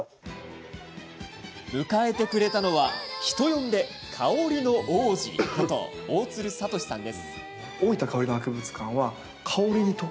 迎えてくれたのは人呼んで香りの王子こと大津留聡さん。